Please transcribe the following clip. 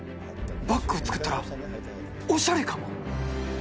バッグを作ったら、おしゃれかも。